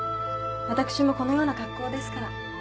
私もこのような格好ですから。